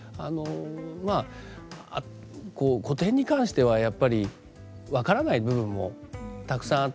まあ古典に関してはやっぱり分からない部分もたくさんあって。